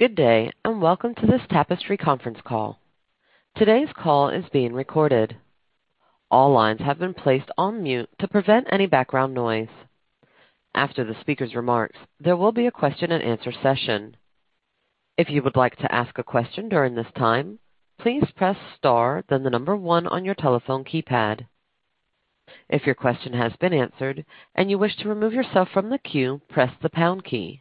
Good day, and welcome to this Tapestry conference call. Today's call is being recorded. All lines have been placed on mute to prevent any background noise. After the speaker's remarks, there will be a question and answer session. If you would like to ask a question during this time, please press star then the number one on your telephone keypad. If your question has been answered and you wish to remove yourself from the queue, please press the pound key.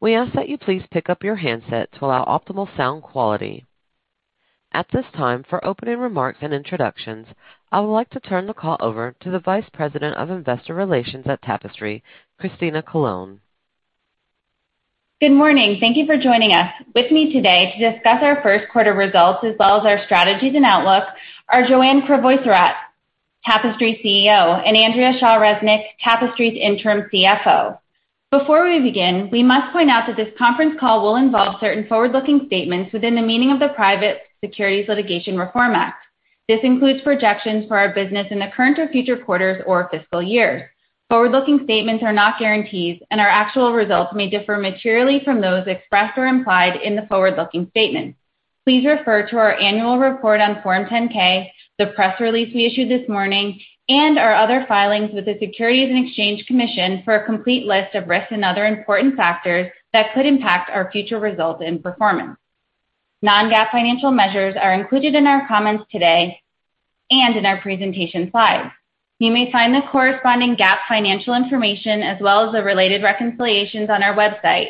We ask that you please pick up your handsets to allow optimal sound quality. At this time, for opening remarks and introductions, I would like to turn the call over to the Vice President of Investor Relations at Tapestry, Christina Colone. Good morning. Thank you for joining us. With me today to discuss our first quarter results as well as our strategies and outlook are Joanne Crevoiserat, Tapestry's CEO, and Andrea Shaw Resnick, Tapestry's Interim Chief Financial Officer. Before we begin, we must point out that this conference call will involve certain forward-looking statements within the meaning of the Private Securities Litigation Reform Act. This includes projections for our business in the current or future quarters or fiscal year. Forward-looking statements are not guarantees, and our actual results may differ materially from those expressed or implied in the forward-looking statement. Please refer to our annual report on Form 10-K, the press release we issued this morning, and our other filings with the Securities and Exchange Commission for a complete list of risks and other important factors that could impact our future results and performance. Non-GAAP financial measures are included in our comments today and in our presentation slides. You may find the corresponding GAAP financial information as well as the related reconciliations on our website,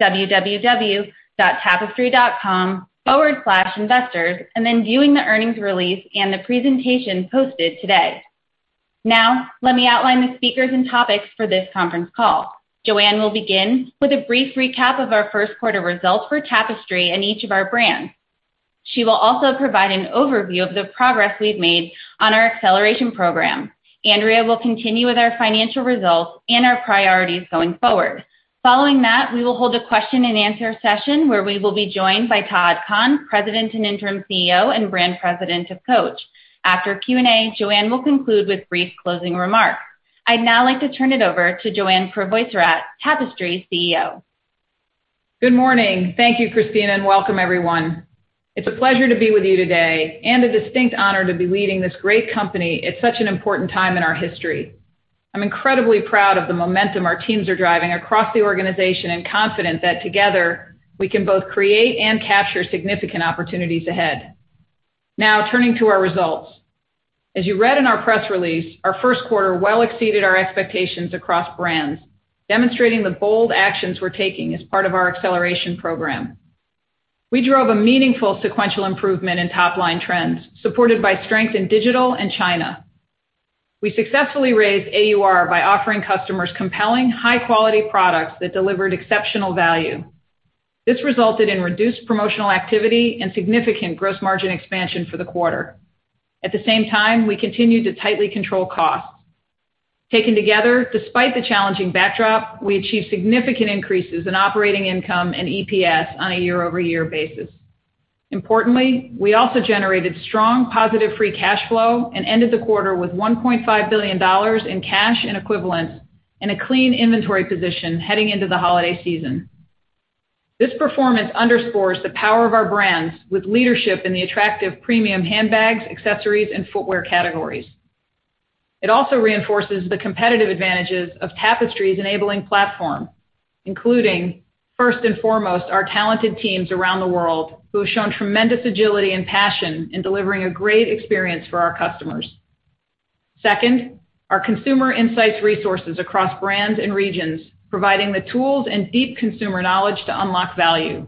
www.tapestry.com/investors, then viewing the earnings release and the presentation posted today. Let me outline the speakers and topics for this conference call. Joanne will begin with a brief recap of our first quarter results for Tapestry and each of our brands. She will also provide an overview of the progress we've made on our Acceleration Program. Andrea will continue with our financial results and our priorities going forward. Following that, we will hold a question and answer session where we will be joined by Todd Kahn, President and Interim Chief Executive Officer and Brand President of Coach. After Q&A, Joanne will conclude with brief closing remarks. I'd now like to turn it over to Joanne Crevoiserat, Tapestry's Chief Executive Officer. Good morning. Thank you, Christina, welcome everyone. It's a pleasure to be with you today and a distinct honor to be leading this great company at such an important time in our history. I'm incredibly proud of the momentum our teams are driving across the organization and confident that together we can both create and capture significant opportunities ahead. Turning to our results. As you read in our press release, our first quarter well exceeded our expectations across brands, demonstrating the bold actions we're taking as part of our acceleration program. We drove a meaningful sequential improvement in top-line trends, supported by strength in digital and China. We successfully raised AUR by offering customers compelling, high-quality products that delivered exceptional value. This resulted in reduced promotional activity and significant gross margin expansion for the quarter. At the same time, we continued to tightly control costs. Taken together, despite the challenging backdrop, we achieved significant increases in operating income and EPS on a year-over-year basis. Importantly, we also generated strong positive free cash flow and ended the quarter with $1.5 billion in cash and equivalents and a clean inventory position heading into the holiday season. This performance underscores the power of our brands with leadership in the attractive premium handbags, accessories, and footwear categories. It also reinforces the competitive advantages of Tapestry's enabling platform, including, first and foremost, our talented teams around the world who have shown tremendous agility and passion in delivering a great experience for our customers. Second, our consumer insights resources across brands and regions, providing the tools and deep consumer knowledge to unlock value.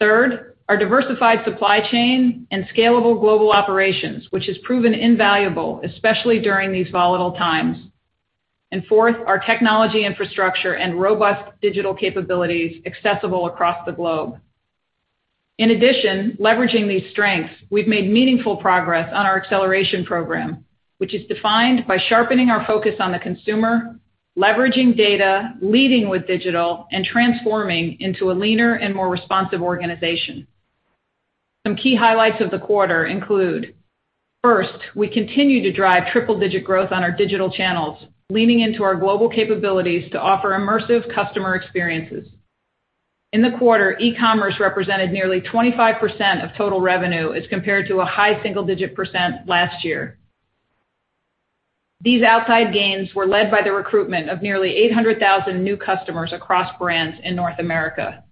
Third, our diversified supply chain and scalable global operations, which has proven invaluable, especially during these volatile times. Fourth, our technology infrastructure and robust digital capabilities accessible across the globe. In addition, leveraging these strengths, we've made meaningful progress on our acceleration program, which is defined by sharpening our focus on the consumer, leveraging data, leading with digital, and transforming into a leaner and more responsive organization. Some key highlights of the quarter include, first, we continue to drive triple-digit growth on our digital channels, leaning into our global capabilities to offer immersive customer experiences. In the quarter, e-commerce represented nearly 25% of total revenue as compared to a high single-digit percent last year. These outside gains were led by the recruitment of nearly 800,000 new customers across brands in North America.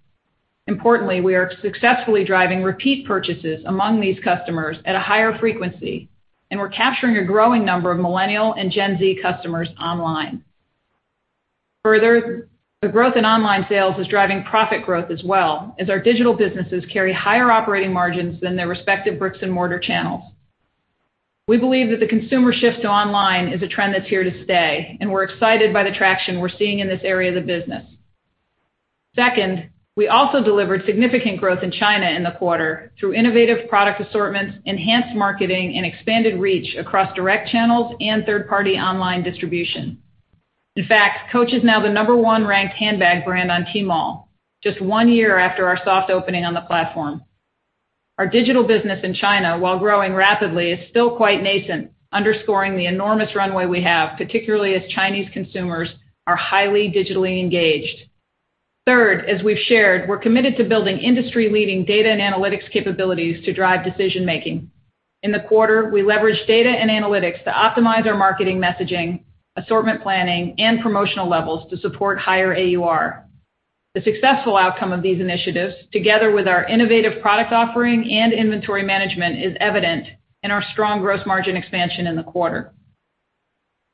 Importantly, we are successfully driving repeat purchases among these customers at a higher frequency, and we're capturing a growing number of Millennial and Gen Z customers online. Further, the growth in online sales is driving profit growth as well, as our digital businesses carry higher operating margins than their respective bricks-and-mortar channels. We believe that the consumer shift to online is a trend that's here to stay, and we're excited by the traction we're seeing in this area of the business. Second, we also delivered significant growth in China in the quarter through innovative product assortments, enhanced marketing, and expanded reach across direct channels and third-party online distribution. In fact, Coach is now the number one ranked handbag brand on Tmall, just one year after our soft opening on the platform. Our digital business in China, while growing rapidly, is still quite nascent, underscoring the enormous runway we have, particularly as Chinese consumers are highly digitally engaged. Third, as we've shared, we're committed to building industry-leading data and analytics capabilities to drive decision-making. In the quarter, we leveraged data and analytics to optimize our marketing messaging, assortment planning, and promotional levels to support higher AUR. The successful outcome of these initiatives, together with our innovative product offering and inventory management, is evident in our strong gross margin expansion in the quarter.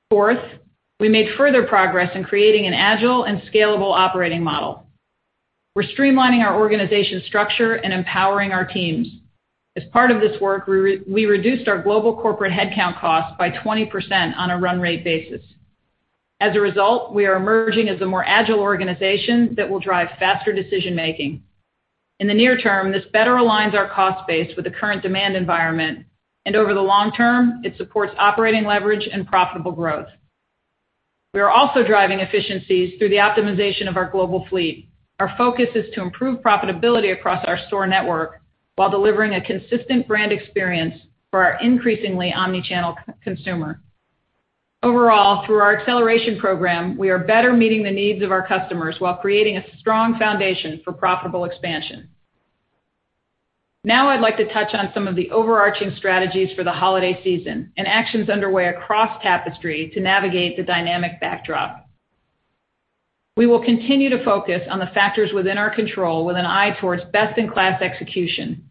Fourth, we made further progress in creating an agile and scalable operating model. We're streamlining our organization structure and empowering our teams. As part of this work, we reduced our global corporate headcount cost by 20% on a run rate basis. As a result, we are emerging as a more agile organization that will drive faster decision-making. In the near term, this better aligns our cost base with the current demand environment, and over the long term, it supports operating leverage and profitable growth. We are also driving efficiencies through the optimization of our global fleet. Our focus is to improve profitability across our store network while delivering a consistent brand experience for our increasingly omni-channel consumer. Through our acceleration program, we are better meeting the needs of our customers while creating a strong foundation for profitable expansion. I'd like to touch on some of the overarching strategies for the holiday season and actions underway across Tapestry to navigate the dynamic backdrop. We will continue to focus on the factors within our control with an eye towards best-in-class execution.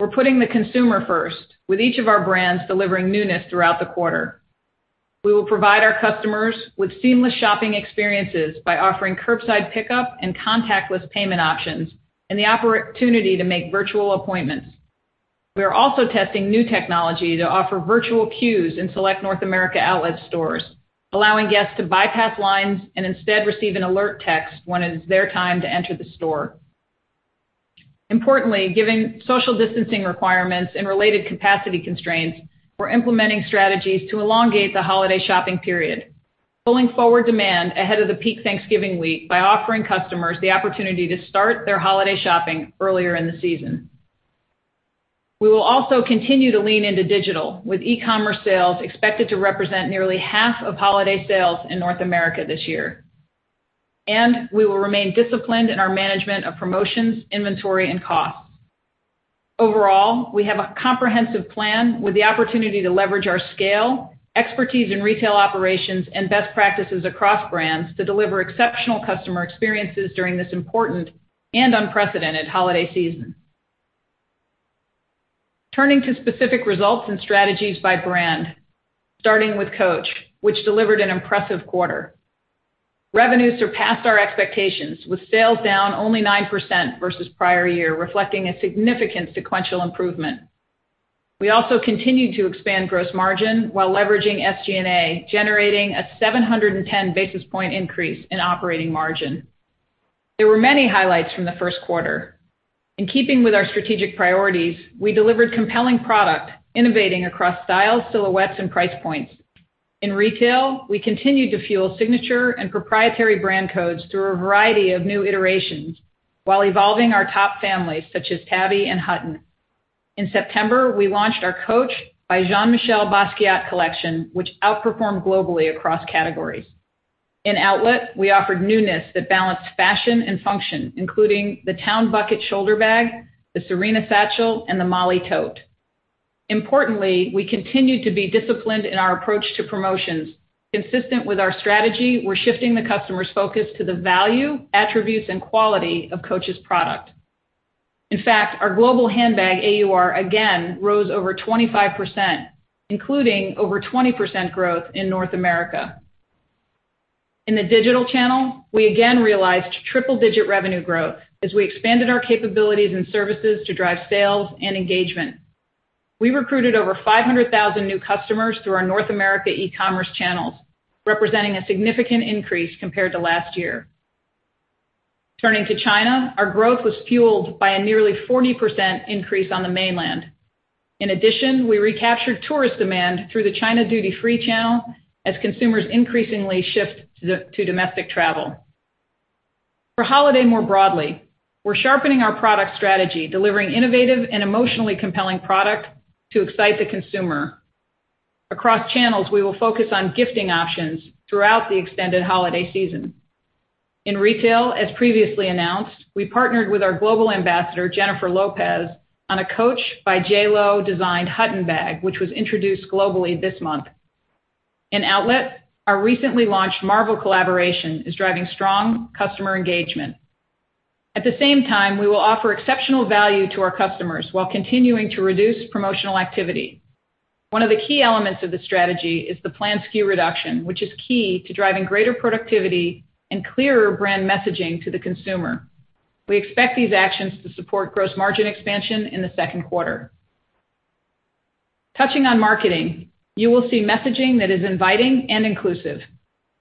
We're putting the consumer first with each of our brands delivering newness throughout the quarter. We will provide our customers with seamless shopping experiences by offering curbside pickup and contactless payment options and the opportunity to make virtual appointments. We are also testing new technology to offer virtual queues in select North America outlet stores, allowing guests to bypass lines and instead receive an alert text when it is their time to enter the store. Importantly, given social distancing requirements and related capacity constraints, we are implementing strategies to elongate the holiday shopping period, pulling forward demand ahead of the peak Thanksgiving week by offering customers the opportunity to start their holiday shopping earlier in the season. We will also continue to lean into digital with e-commerce sales expected to represent nearly half of holiday sales in North America this year. We will remain disciplined in our management of promotions, inventory, and costs. Overall, we have a comprehensive plan with the opportunity to leverage our scale, expertise in retail operations, and best practices across brands to deliver exceptional customer experiences during this important and unprecedented holiday season. Turning to specific results and strategies by brand, starting with Coach, which delivered an impressive quarter. Revenue surpassed our expectations with sales down only 9% versus prior year, reflecting a significant sequential improvement. We also continued to expand gross margin while leveraging SG&A, generating a 710 basis point increase in operating margin. There were many highlights from the first quarter. In keeping with our strategic priorities, we delivered compelling product, innovating across styles, silhouettes, and price points. In retail, we continued to fuel signature and proprietary brand codes through a variety of new iterations while evolving our top families such as Tabby and Hutton. In September, we launched our Coach by Jean-Michel Basquiat collection, which outperformed globally across categories. In outlet, we offered newness that balanced fashion and function, including the Town Bucket shoulder bag, the Serena satchel, and the Mollie tote. Importantly, we continued to be disciplined in our approach to promotions. Consistent with our strategy, we're shifting the customer's focus to the value, attributes, and quality of Coach's product. In fact, our global handbag AUR again rose over 25%, including over 20% growth in North America. In the digital channel, we again realized triple-digit revenue growth as we expanded our capabilities and services to drive sales and engagement. We recruited over 500,000 new customers through our North America e-commerce channels, representing a significant increase compared to last year. Turning to China, our growth was fueled by a nearly 40% increase on the mainland. In addition, we recaptured tourist demand through the China duty-free channel as consumers increasingly shift to domestic travel. For holiday more broadly, we're sharpening our product strategy, delivering innovative and emotionally compelling product to excite the consumer. Across channels, we will focus on gifting options throughout the extended holiday season. In retail, as previously announced, we partnered with our global ambassador, Jennifer Lopez, on a Coach by J.Lo designed Hutton bag, which was introduced globally this month. In outlet, our recently launched Marvel collaboration is driving strong customer engagement. At the same time, we will offer exceptional value to our customers while continuing to reduce promotional activity. One of the key elements of the strategy is the planned SKU reduction, which is key to driving greater productivity and clearer brand messaging to the consumer. We expect these actions to support gross margin expansion in the second quarter. Touching on marketing, you will see messaging that is inviting and inclusive.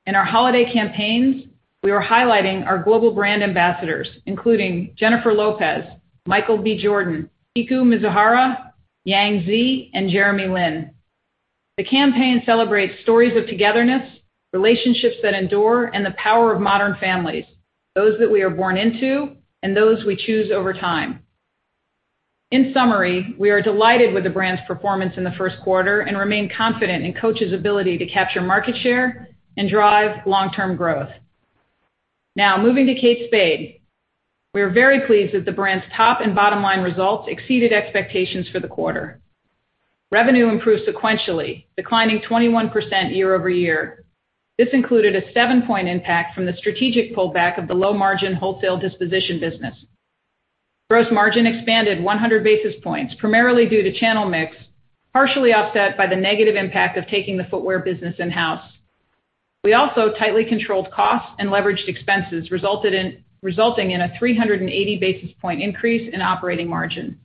In our holiday campaigns, we are highlighting our global brand ambassadors, including Jennifer Lopez, Michael B. Jordan, Kiko Mizuhara, Yang Zi, and Jeremy Lin. The campaign celebrates stories of togetherness, relationships that endure, and the power of modern families, those that we are born into and those we choose over time. In summary, we are delighted with the brand's performance in the first quarter and remain confident in Coach's ability to capture market share and drive long-term growth. Now, moving to Kate Spade. We are very pleased that the brand's top and bottom line results exceeded expectations for the quarter. Revenue improved sequentially, declining 21% year-over-year. This included a 7-point impact from the strategic pullback of the low-margin wholesale disposition business. Gross margin expanded 100 basis points, primarily due to channel mix, partially offset by the negative impact of taking the footwear business in-house. We also tightly controlled costs and leveraged expenses, resulting in a 380 basis point increase in operating margin.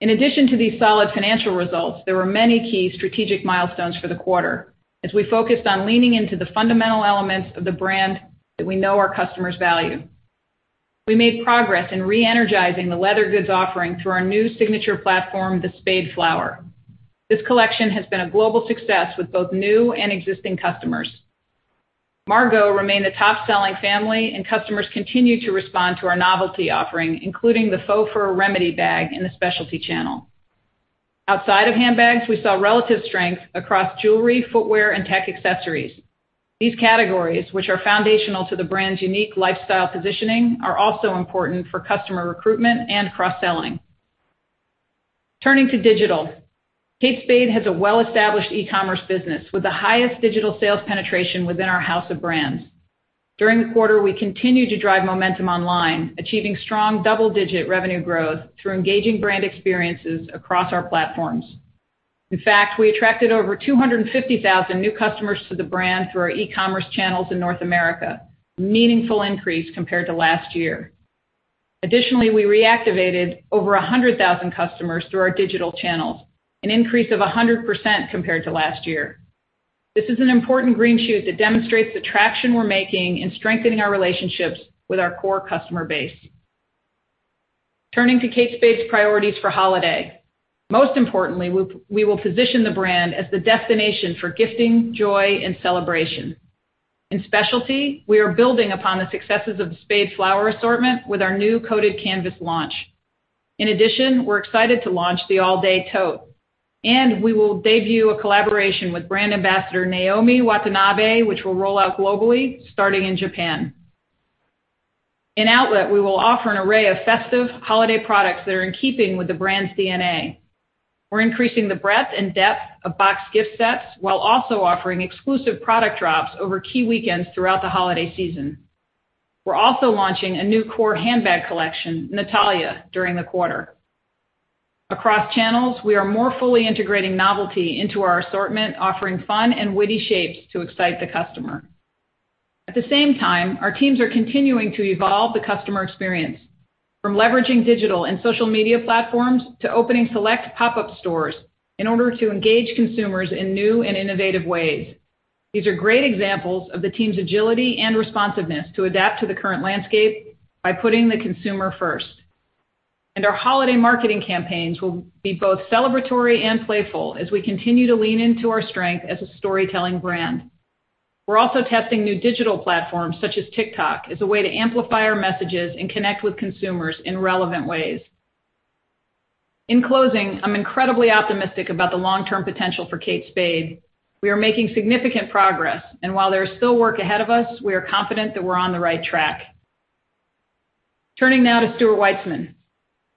In addition to these solid financial results, there were many key strategic milestones for the quarter as we focused on leaning into the fundamental elements of the brand that we know our customers value. We made progress in re-energizing the leather goods offering through our new signature platform, the Spade Flower. This collection has been a global success with both new and existing customers. Margaux remained the top-selling family, and customers continue to respond to our novelty offering, including the faux fur Remedy bag in the specialty channel. Outside of handbags, we saw relative strength across jewelry, footwear, and tech accessories. These categories, which are foundational to the brand's unique lifestyle positioning, are also important for customer recruitment and cross-selling. Turning to digital, Kate Spade has a well-established e-commerce business with the highest digital sales penetration within our house of brands. During the quarter, we continued to drive momentum online, achieving strong double-digit revenue growth through engaging brand experiences across our platforms. In fact, we attracted over 250,000 new customers to the brand through our e-commerce channels in North America, a meaningful increase compared to last year. Additionally, we reactivated over 100,000 customers through our digital channels, an increase of 100% compared to last year. This is an important green shoot that demonstrates the traction we're making in strengthening our relationships with our core customer base. Turning to Kate Spade's priorities for holiday. Most importantly, we will position the brand as the destination for gifting, joy, and celebration. In specialty, we are building upon the successes of the Spade Flower assortment with our new coated canvas launch. We're excited to launch the All Day tote, and we will debut a collaboration with brand ambassador Naomi Watanabe, which will roll out globally, starting in Japan. We will offer an array of festive holiday products that are in keeping with the brand's DNA. We're increasing the breadth and depth of boxed gift sets while also offering exclusive product drops over key weekends throughout the holiday season. We're also launching a new core handbag collection, Natalia, during the quarter. Across channels, we are more fully integrating novelty into our assortment, offering fun and witty shapes to excite the customer. At the same time, our teams are continuing to evolve the customer experience, from leveraging digital and social media platforms to opening select pop-up stores in order to engage consumers in new and innovative ways. These are great examples of the team's agility and responsiveness to adapt to the current landscape by putting the consumer first. Our holiday marketing campaigns will be both celebratory and playful as we continue to lean into our strength as a storytelling brand. We're also testing new digital platforms such as TikTok as a way to amplify our messages and connect with consumers in relevant ways. In closing, I'm incredibly optimistic about the long-term potential for Kate Spade. We are making significant progress, and while there is still work ahead of us, we are confident that we're on the right track. Turning now to Stuart Weitzman.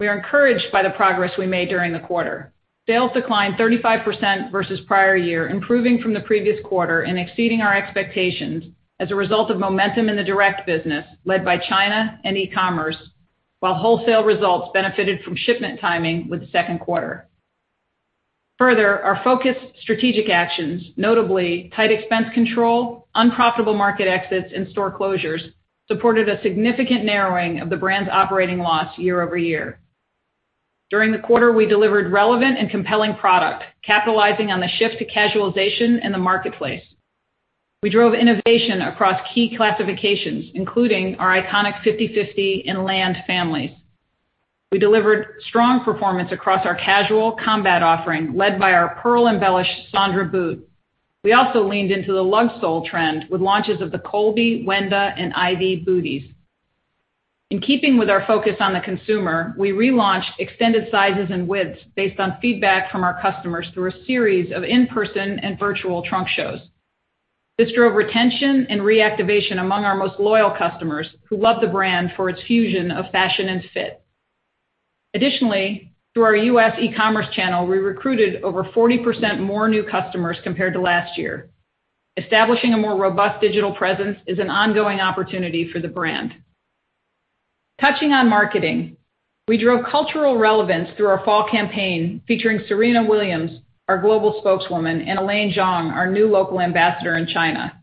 We are encouraged by the progress we made during the quarter. Sales declined 35% versus prior year, improving from the previous quarter and exceeding our expectations as a result of momentum in the direct business led by China and e-commerce, while wholesale results benefited from shipment timing with the second quarter. Further, our focused strategic actions, notably tight expense control, unprofitable market exits, and store closures, supported a significant narrowing of the brand's operating loss year over year. During the quarter, we delivered relevant and compelling product, capitalizing on the shift to casualization in the marketplace. We drove innovation across key classifications, including our iconic 5050 and Land families. We delivered strong performance across our casual combat offering, led by our pearl-embellished Sondra boot. We also leaned into the lug sole trend with launches of the Kolbie, Wenda, and Ivy booties. In keeping with our focus on the consumer, we relaunched extended sizes and widths based on feedback from our customers through a series of in-person and virtual trunk shows. This drove retention and reactivation among our most loyal customers who love the brand for its fusion of fashion and fit. Additionally, through our U.S. e-commerce channel, we recruited over 40% more new customers compared to last year. Establishing a more robust digital presence is an ongoing opportunity for the brand. Touching on marketing. We drove cultural relevance through our fall campaign featuring Serena Williams, our global spokeswoman, and Elaine Zhong, our new local ambassador in China.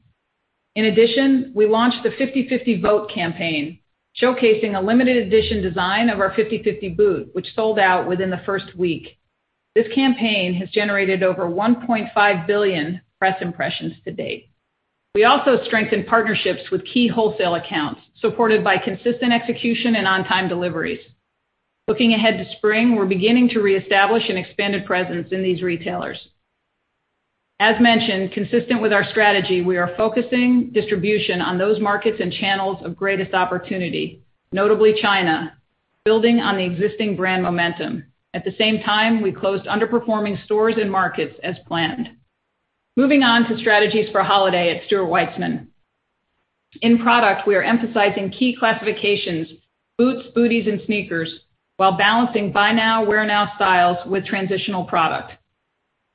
In addition, we launched the #5050Vote campaign, showcasing a limited edition design of our 5050 boot, which sold out within the first week. This campaign has generated over 1.5 billion press impressions to date. We also strengthened partnerships with key wholesale accounts, supported by consistent execution and on-time deliveries. Looking ahead to spring, we're beginning to reestablish an expanded presence in these retailers. As mentioned, consistent with our strategy, we are focusing distribution on those markets and channels of greatest opportunity, notably China, building on the existing brand momentum. At the same time, we closed underperforming stores and markets as planned. Moving on to strategies for holiday at Stuart Weitzman. In product, we are emphasizing key classifications, boots, booties, and sneakers, while balancing buy now, wear now styles with transitional product.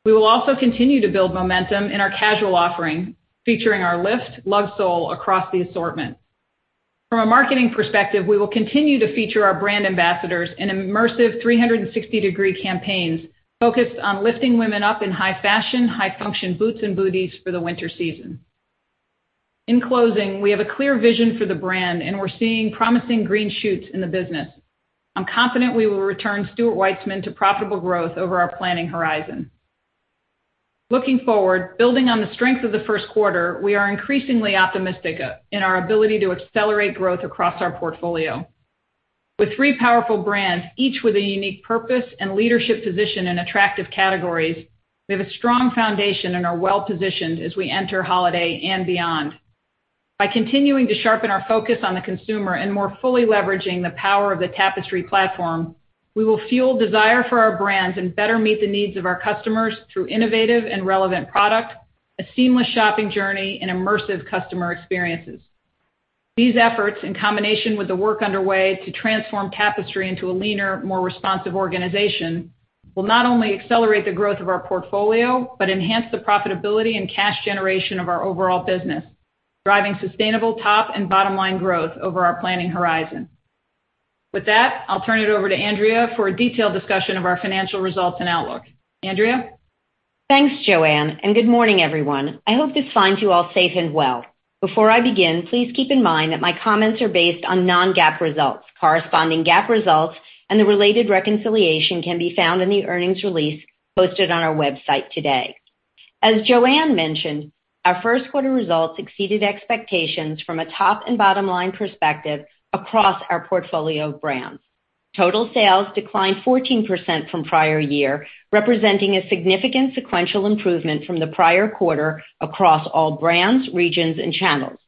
We will also continue to build momentum in our casual offering, featuring our lift lug sole across the assortment. From a marketing perspective, we will continue to feature our brand ambassadors in immersive 360-degree campaigns focused on lifting women up in high fashion, high-function boots and booties for the winter season. In closing, we have a clear vision for the brand, and we're seeing promising green shoots in the business. I'm confident we will return Stuart Weitzman to profitable growth over our planning horizon. Looking forward, building on the strength of the first quarter, we are increasingly optimistic in our ability to accelerate growth across our portfolio. With three powerful brands, each with a unique purpose and leadership position in attractive categories, we have a strong foundation and are well positioned as we enter holiday and beyond. By continuing to sharpen our focus on the consumer and more fully leveraging the power of the Tapestry platform, we will fuel desire for our brands and better meet the needs of our customers through innovative and relevant product, a seamless shopping journey, and immersive customer experiences. These efforts, in combination with the work underway to transform Tapestry into a leaner, more responsive organization, will not only accelerate the growth of our portfolio, but enhance the profitability and cash generation of our overall business, driving sustainable top and bottom line growth over our planning horizon. With that, I'll turn it over to Andrea for a detailed discussion of our financial results and outlook. Andrea? Thanks, Joanne. Good morning, everyone. I hope this finds you all safe and well. Before I begin, please keep in mind that my comments are based on non-GAAP results. Corresponding GAAP results and the related reconciliation can be found in the earnings release posted on our website today. As Joanne mentioned, our first quarter results exceeded expectations from a top and bottom-line perspective across our portfolio of brands. Total sales declined 14% from prior year, representing a significant sequential improvement from the prior quarter across all brands, regions, and channels.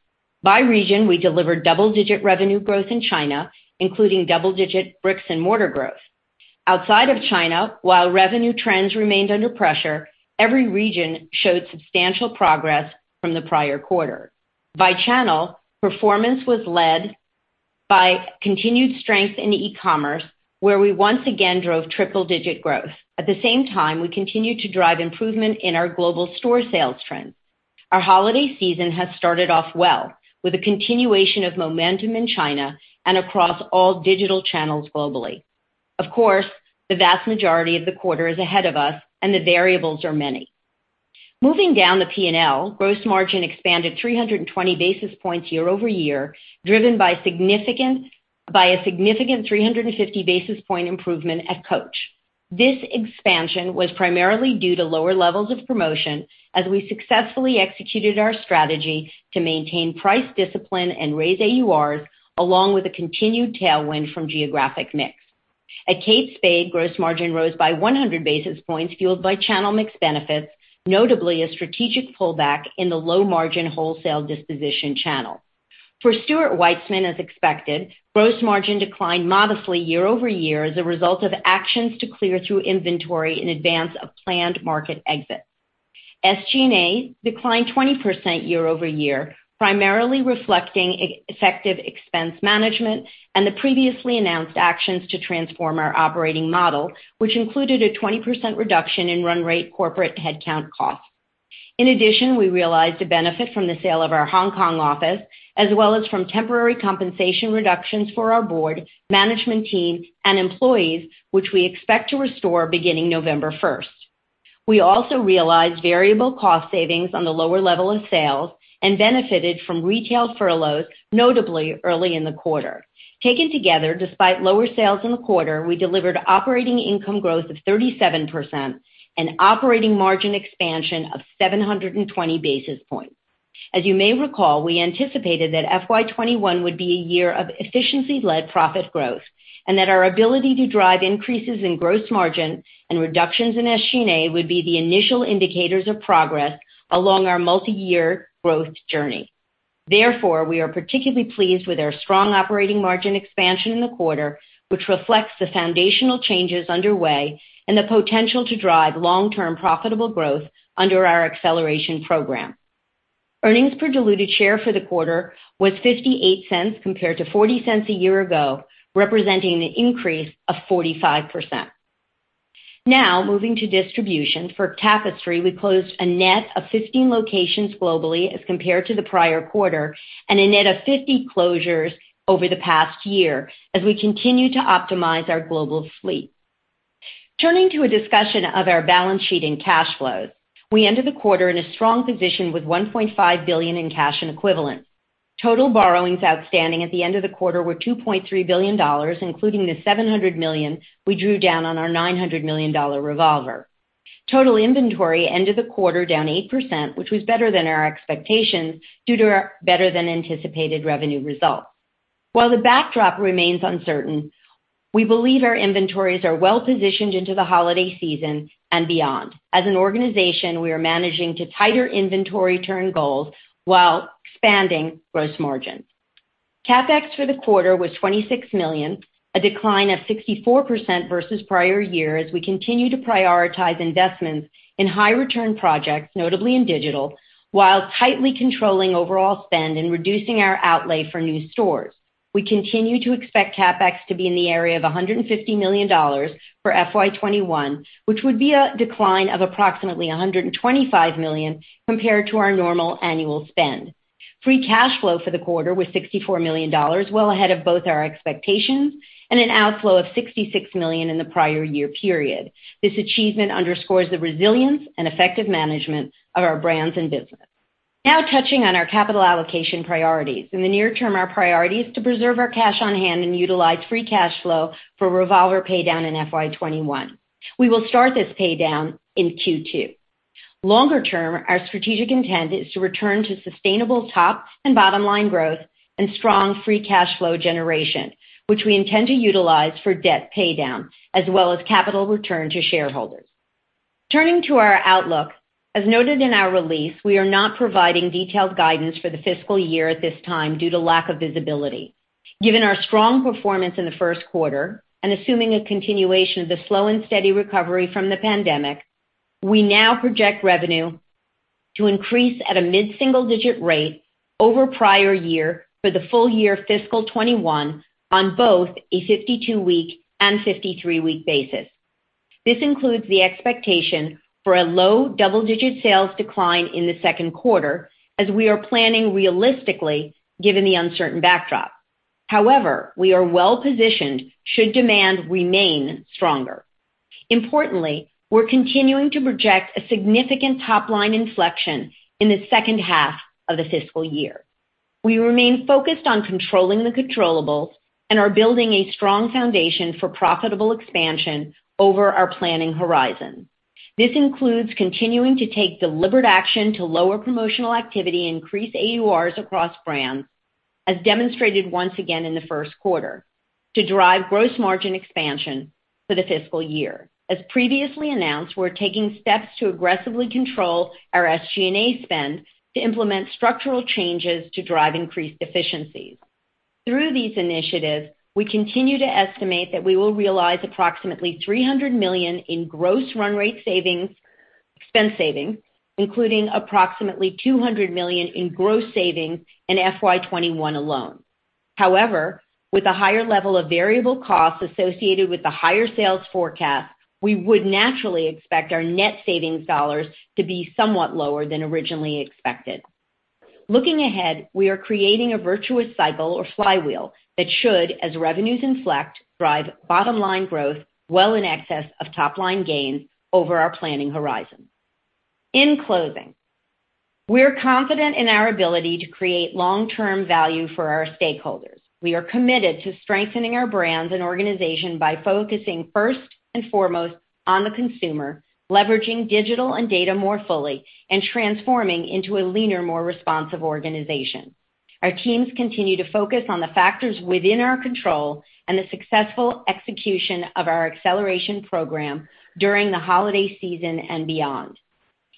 By region, we delivered double-digit revenue growth in China, including double-digit bricks and mortar growth. Outside of China, while revenue trends remained under pressure, every region showed substantial progress from the prior quarter. By channel, performance was led by continued strength in e-commerce, where we once again drove triple-digit growth. At the same time, we continued to drive improvement in our global store sales trends. Our holiday season has started off well, with a continuation of momentum in China and across all digital channels globally. Of course, the vast majority of the quarter is ahead of us, and the variables are many. Moving down the P&L, gross margin expanded 320 basis points year-over-year, driven by a significant 350 basis point improvement at Coach. This expansion was primarily due to lower levels of promotion as we successfully executed our strategy to maintain price discipline and raise AURs, along with a continued tailwind from geographic mix. At Kate Spade, gross margin rose by 100 basis points, fueled by channel mix benefits, notably a strategic pullback in the low-margin wholesale disposition channel. For Stuart Weitzman, as expected, gross margin declined modestly year-over-year as a result of actions to clear through inventory in advance of planned market exits. SG&A declined 20% year-over-year, primarily reflecting effective expense management and the previously announced actions to transform our operating model, which included a 20% reduction in run rate corporate headcount costs. In addition, we realized a benefit from the sale of our Hong Kong office, as well as from temporary compensation reductions for our board, management team, and employees, which we expect to restore beginning November 1st. We also realized variable cost savings on the lower level of sales and benefited from retail furloughs, notably early in the quarter. Taken together, despite lower sales in the quarter, we delivered operating income growth of 37% and operating margin expansion of 720 basis points. As you may recall, we anticipated that FY 2021 would be a year of efficiency-led profit growth, and that our ability to drive increases in gross margin and reductions in SG&A would be the initial indicators of progress along our multiyear growth journey. Therefore, we are particularly pleased with our strong operating margin expansion in the quarter, which reflects the foundational changes underway and the potential to drive long-term profitable growth under our Acceleration Program. Earnings per diluted share for the quarter was $0.58 compared to $0.40 a year ago, representing an increase of 45%. Moving to distribution. For Tapestry, we closed a net of 15 locations globally as compared to the prior quarter, and a net of 50 closures over the past year as we continue to optimize our global fleet. Turning to a discussion of our balance sheet and cash flows. We ended the quarter in a strong position with $1.5 billion in cash and equivalents. Total borrowings outstanding at the end of the quarter were $2.3 billion, including the $700 million we drew down on our $900 million revolver. Total inventory ended the quarter down 8%, which was better than our expectations due to our better than anticipated revenue results. While the backdrop remains uncertain, we believe our inventories are well-positioned into the holiday season and beyond. As an organization, we are managing to tighter inventory turn goals while expanding gross margins. CapEx for the quarter was $26 million, a decline of 64% versus prior year as we continue to prioritize investments in high return projects, notably in digital, while tightly controlling overall spend and reducing our outlay for new stores. We continue to expect CapEx to be in the area of $150 million for FY 2021, which would be a decline of approximately $125 million compared to our normal annual spend. Free cash flow for the quarter was $64 million, well ahead of both our expectations and an outflow of $66 million in the prior year period. This achievement underscores the resilience and effective management of our brands and business. Touching on our capital allocation priorities. In the near term, our priority is to preserve our cash on hand and utilize free cash flow for revolver pay down in FY 2021. We will start this pay down in Q2. Longer term, our strategic intent is to return to sustainable top and bottom line growth and strong free cash flow generation, which we intend to utilize for debt pay down as well as capital return to shareholders. Turning to our outlook. As noted in our release, we are not providing detailed guidance for the fiscal year at this time due to lack of visibility. Given our strong performance in the first quarter and assuming a continuation of the slow and steady recovery from the pandemic, we now project revenue to increase at a mid-single-digit rate over prior year for the full year fiscal 2021 on both a 52-week and 53-week basis. This includes the expectation for a low double-digit sales decline in the second quarter, as we are planning realistically given the uncertain backdrop. We are well-positioned should demand remain stronger. Importantly, we're continuing to project a significant top-line inflection in the second half of the fiscal year. We remain focused on controlling the controllables and are building a strong foundation for profitable expansion over our planning horizon. This includes continuing to take deliberate action to lower promotional activity and increase AURs across brands, as demonstrated once again in the first quarter, to drive gross margin expansion for the fiscal year. As previously announced, we're taking steps to aggressively control our SG&A spend to implement structural changes to drive increased efficiencies. Through these initiatives, we continue to estimate that we will realize approximately $300 million in gross run rate expense savings, including approximately $200 million in gross savings in FY 2021 alone. With a higher level of variable costs associated with the higher sales forecast, we would naturally expect our net savings dollars to be somewhat lower than originally expected. Looking ahead, we are creating a virtuous cycle or flywheel that should, as revenues inflect, drive bottom-line growth well in excess of top-line gains over our planning horizon. In closing, we are confident in our ability to create long-term value for our stakeholders. We are committed to strengthening our brands and organization by focusing first and foremost on the consumer, leveraging digital and data more fully, and transforming into a leaner, more responsive organization. Our teams continue to focus on the factors within our control and the successful execution of our acceleration program during the holiday season and beyond.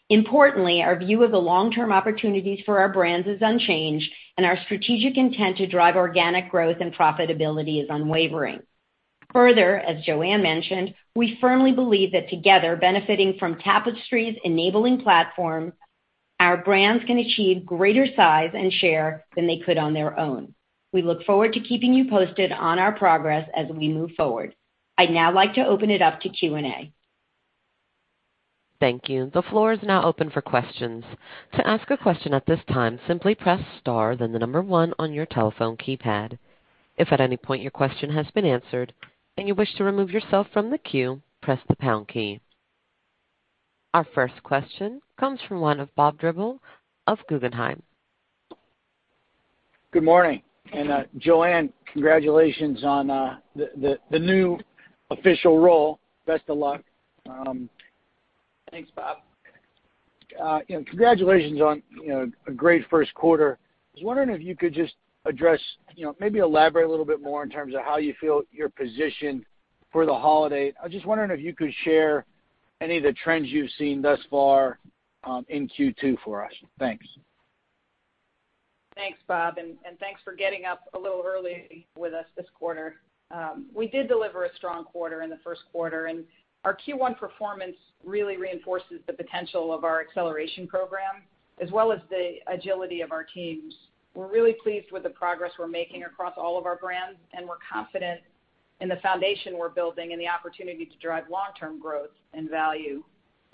Importantly, our view of the long-term opportunities for our brands is unchanged, and our strategic intent to drive organic growth and profitability is unwavering. As Joanne mentioned, we firmly believe that together, benefiting from Tapestry's enabling platform, our brands can achieve greater size and share than they could on their own. We look forward to keeping you posted on our progress as we move forward. I'd now like to open it up to Q&A. Thank you. The floor is now open for questions. To ask a question at this time, simply press star then the number one on your telephone keypad. If at any point your question has been answered and you wish to remove yourself from the queue, press the pound key. Our first question comes from one of Bob Drbul of Guggenheim. Good morning, Joanne, congratulations on the new official role. Best of luck. Thanks, Bob. Congratulations on a great first quarter. I was wondering if you could just address, maybe elaborate a little bit more in terms of how you feel you're positioned for the holiday. I was just wondering if you could share any of the trends you've seen thus far in Q2 for us. Thanks. Thanks, Bob. Thanks for getting up a little early with us this quarter. We did deliver a strong quarter in the first quarter, and our Q1 performance really reinforces the potential of our acceleration program, as well as the agility of our teams. We're really pleased with the progress we're making across all of our brands, and we're confident in the foundation we're building and the opportunity to drive long-term growth and value.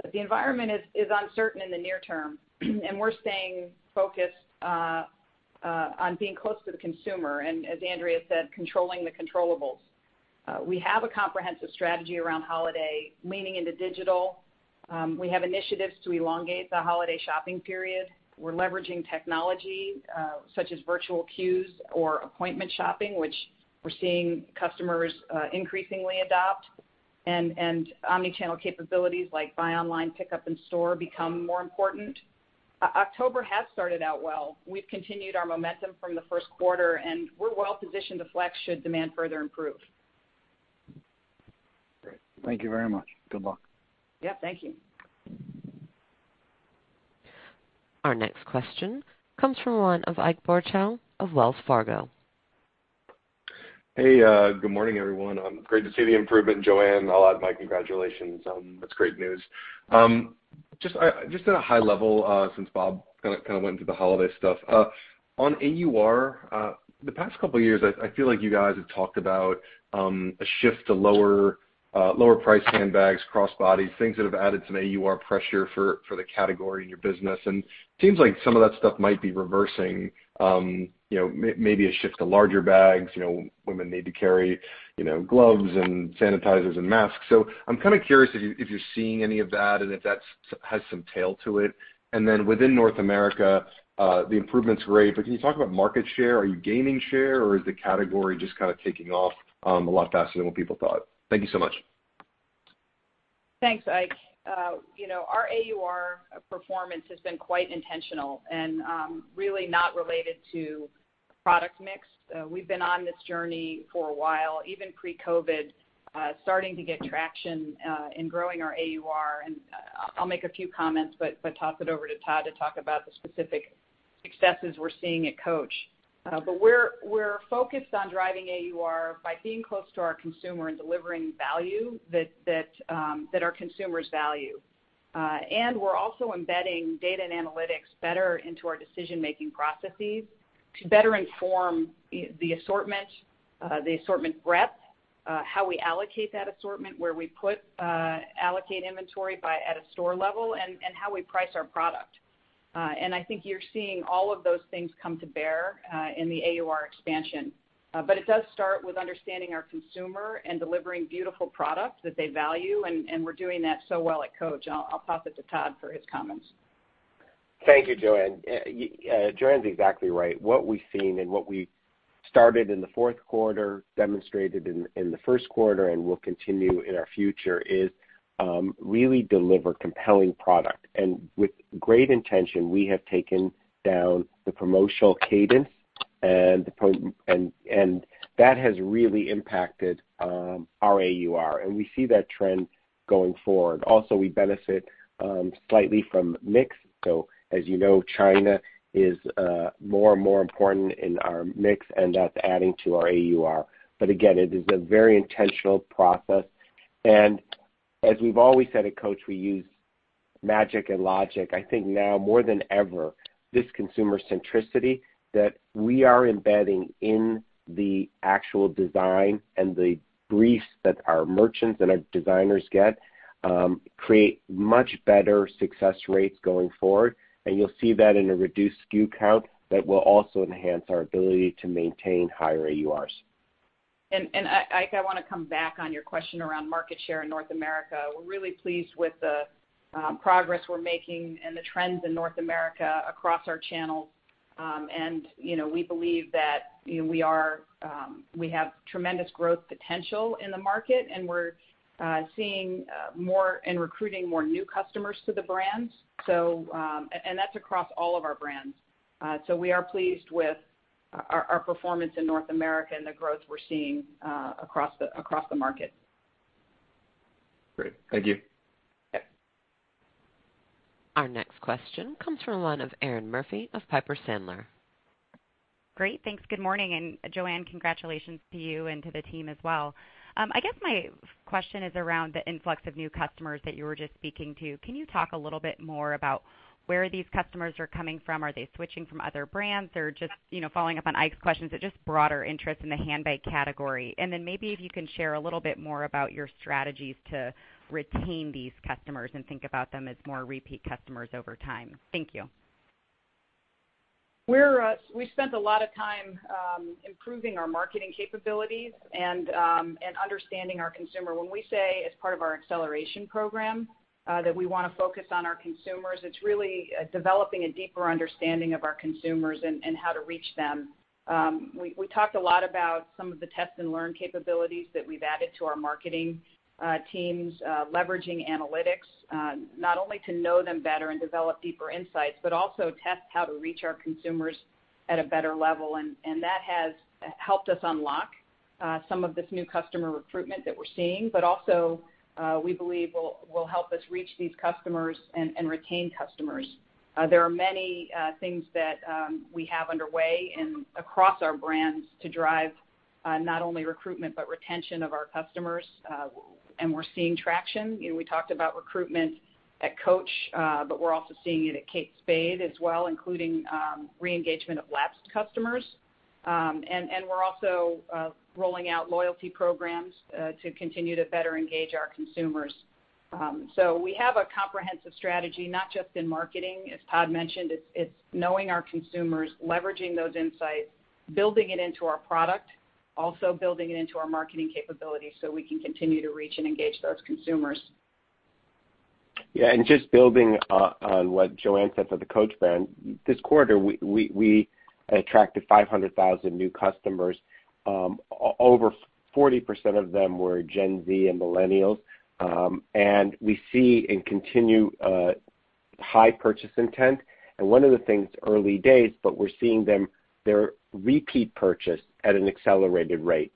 The environment is uncertain in the near term, and we're staying focused on being close to the consumer and, as Andrea said, controlling the controllables. We have a comprehensive strategy around holiday, leaning into digital. We have initiatives to elongate the holiday shopping period. We're leveraging technology, such as virtual queues or appointment shopping, which we're seeing customers increasingly adopt, and omni-channel capabilities like buy online, pickup in store become more important. October has started out well. We've continued our momentum from the first quarter, and we're well positioned to flex should demand further improve. Great. Thank you very much. Good luck. Yep. Thank you. Our next question comes from the line of Ike Boruchow of Wells Fargo. Hey, good morning, everyone. Great to see the improvement, Joanne. I'll add my congratulations. That's great news. At a high level, since Bob kind of went into the holiday stuff. On AUR, the past couple of years, I feel like you guys have talked about, a shift to lower priced handbags, crossbodies, things that have added some AUR pressure for the category in your business. Seems like some of that stuff might be reversing, maybe a shift to larger bags. Women need to carry gloves and sanitizers and masks. I'm kind of curious if you're seeing any of that and if that has some tail to it. Then within North America, the improvement's great, but can you talk about market share? Are you gaining share or is the category just kind of taking off, a lot faster than what people thought? Thank you so much. Thanks, Ike. Our AUR performance has been quite intentional and really not related to product mix. We've been on this journey for a while, even pre-COVID, starting to get traction, in growing our AUR. I'll make a few comments, but toss it over to Todd to talk about the specific successes we're seeing at Coach. We're focused on driving AUR by being close to our consumer and delivering value that our consumers value. We're also embedding data and analytics better into our decision-making processes to better inform the assortment, the assortment breadth, how we allocate that assortment, where we allocate inventory at a store level and how we price our product. I think you're seeing all of those things come to bear in the AUR expansion. It does start with understanding our consumer and delivering beautiful product that they value. We're doing that so well at Coach. I'll pass it to Todd for his comments. Thank you. Joanne. Joanne's exactly right. What we've seen and what we started in the fourth quarter, demonstrated in the first quarter, and will continue in our future is, really deliver compelling product. With great intention, we have taken down the promotional cadence and that has really impacted our AUR, and we see that trend going forward. Also, we benefit slightly from mix. As you know, China is more and more important in our mix, end up adding to our AUR. Again, it is a very intentional process, and as we've always said at Coach, we use magic and logic. I think now more than ever, this consumer centricity that we are embedding in the actual design and the briefs that our merchants and our designers get, create much better success rates going forward. You'll see that in a reduced SKU count that will also enhance our ability to maintain higher AURs. Ike, I want to come back on your question around market share in North America. We're really pleased with the progress we're making and the trends in North America across our channels. We believe that we have tremendous growth potential in the market, and we're seeing more and recruiting more new customers to the brands. That's across all of our brands. We are pleased with our performance in North America and the growth we're seeing across the market. Great. Thank you. Yep. Our next question comes from a line of Erinn Murphy of Piper Sandler. Great. Thanks. Good morning. Joanne, congratulations to you and to the team as well. I guess my question is around the influx of new customers that you were just speaking to. Can you talk a little bit more about where these customers are coming from? Are they switching from other brands or just following up on Ike's questions, just broader interest in the handbag category? Then maybe if you can share a little bit more about your strategies to retain these customers and think about them as more repeat customers over time. Thank you. We spent a lot of time improving our marketing capabilities and understanding our consumer. When we say as part of our acceleration program, that we want to focus on our consumers, it's really developing a deeper understanding of our consumers and how to reach them. We talked a lot about some of the test and learn capabilities that we've added to our marketing teams, leveraging analytics, not only to know them better and develop deeper insights, but also test how to reach our consumers at a better level. That has helped us unlock some of this new customer recruitment that we're seeing, but also, we believe will help us reach these customers and retain customers. There are many things that we have underway and across our brands to drive not only recruitment, but retention of our customers. We're seeing traction. We talked about recruitment at Coach, but we're also seeing it at Kate Spade as well, including re-engagement of lapsed customers. We're also rolling out loyalty programs to continue to better engage our consumers. We have a comprehensive strategy, not just in marketing, as Todd mentioned. It's knowing our consumers, leveraging those insights, building it into our product, also building it into our marketing capabilities so we can continue to reach and engage those consumers. Just building on what Joanne said for the Coach brand, this quarter, we attracted 500,000 new customers. Over 40% of them were Gen Z and millennials. We see and continue high purchase intent. One of the things, early days, but we're seeing them, their repeat purchase at an accelerated rate.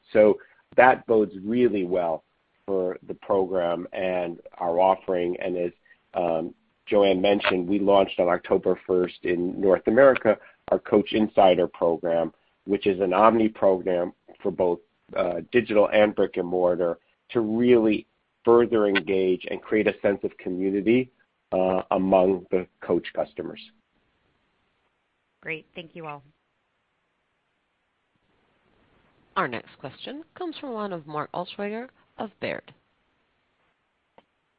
That bodes really well for the program and our offering. As Joanne mentioned, we launched on October 1st in North America, our Coach Insider program, which is an omni program for both digital and brick-and-mortar to really further engage and create a sense of community among the Coach customers. Great. Thank you all. Our next question comes from the line of Mark Altschwager of Baird.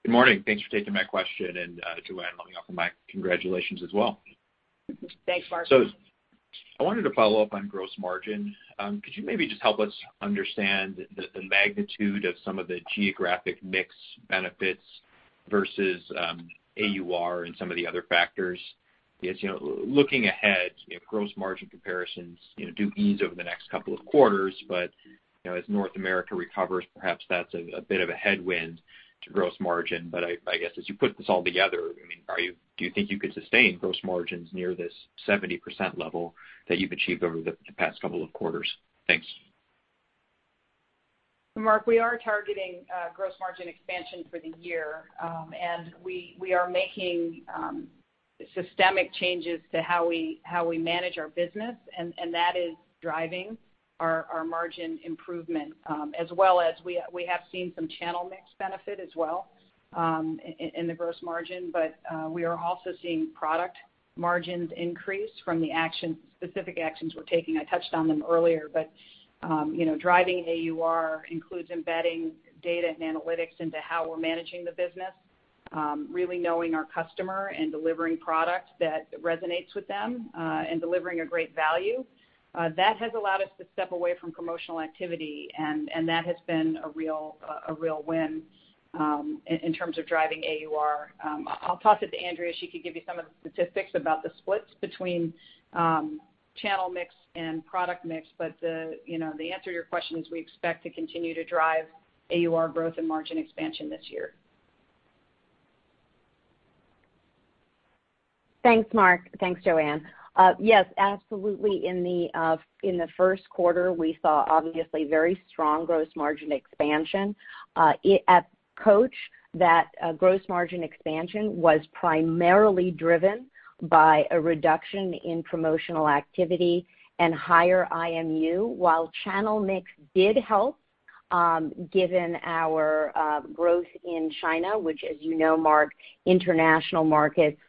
Good morning. Thanks for taking my question. Joanne, let me offer my congratulations as well. Thanks, Mark. I wanted to follow up on gross margin. Could you maybe just help us understand the magnitude of some of the geographic mix benefits versus AUR and some of the other factors? Looking ahead, gross margin comparisons do ease over the next couple of quarters, but as North America recovers, perhaps that's a bit of a headwind to gross margin. I guess as you put this all together, do you think you could sustain gross margins near this 70% level that you've achieved over the past couple of quarters? Thanks. Mark, we are targeting gross margin expansion for the year. We are making systemic changes to how we manage our business, and that is driving our margin improvement, as well as we have seen some channel mix benefit as well in the gross margin. We are also seeing product margins increase from the specific actions we're taking. I touched on them earlier, but driving AUR includes embedding data and analytics into how we're managing the business, really knowing our customer and delivering product that resonates with them, and delivering a great value. That has allowed us to step away from promotional activity, and that has been a real win in terms of driving AUR. I'll toss it to Andrea. She could give you some of the statistics about the splits between channel mix and product mix. The answer to your question is we expect to continue to drive AUR growth and margin expansion this year. Thanks, Mark. Thanks, Joanne. Yes, absolutely. In the first quarter, we saw obviously very strong gross margin expansion. At Coach, that gross margin expansion was primarily driven by a reduction in promotional activity and higher IMU, while channel mix did help given our growth in China, which as you know, Mark, international markets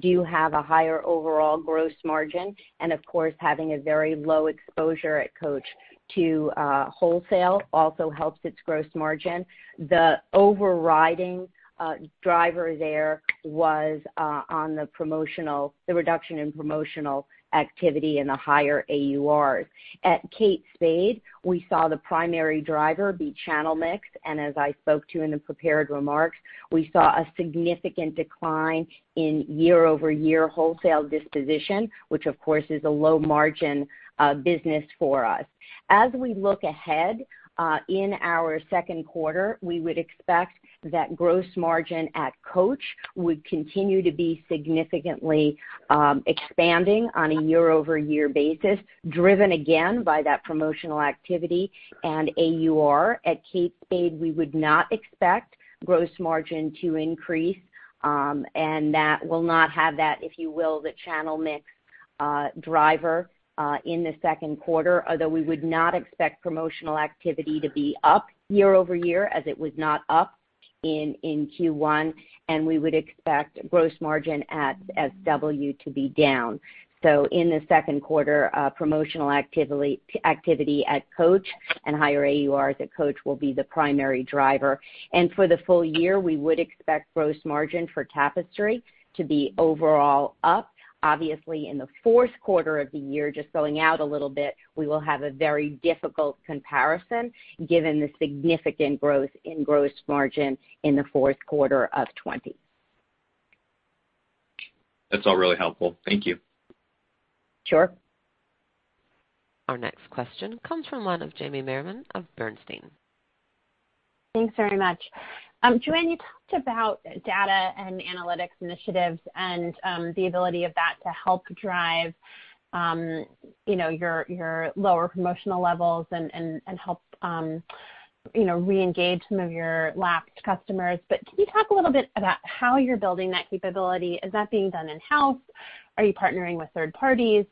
do have a higher overall gross margin, and of course, having a very low exposure at Coach to wholesale also helps its gross margin. The overriding driver there was on the reduction in promotional activity and the higher AURs. At Kate Spade, we saw the primary driver be channel mix, and as I spoke to in the prepared remarks, we saw a significant decline in year-over-year wholesale disposition, which of course is a low-margin business for us. As we look ahead in our second quarter, we would expect that gross margin at Coach would continue to be significantly expanding on a year-over-year basis, driven again by that promotional activity and AUR. At Kate Spade, we would not expect gross margin to increase, and that will not have that, if you will, the channel mix driver in the second quarter, although we would not expect promotional activity to be up year-over-year, as it was not up in Q1, and we would expect gross margin at SW to be down. In the second quarter, promotional activity at Coach and higher AURs at Coach will be the primary driver. For the full year, we would expect gross margin for Tapestry to be overall up. Obviously, in the fourth quarter of the year, just going out a little bit, we will have a very difficult comparison given the significant growth in gross margin in the fourth quarter of 2020. That's all really helpful. Thank you. Sure. Our next question comes from the line of Jamie Merriman of Bernstein. Thanks very much. Joanne, you talked about data and analytics initiatives and the ability of that to help drive your lower promotional levels and help reengage some of your lapsed customers. Can you talk a little bit about how you're building that capability? Is that being done in-house? Are you partnering with third parties?